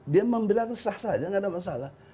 dia memang bilang sesah saja nggak ada masalah